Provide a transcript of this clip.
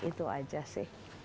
itu aja sih